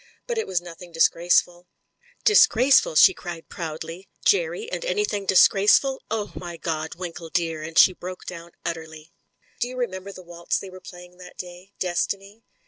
"But it was nothing disgraceful." "Disgraceful !" she cried proudly. *7«Ty» ^^^ any thing disgraceful. Oh, my God! Winkle dear," and she broke down utterly, "do you remember the waltz they were playing that day — ^*Destiny'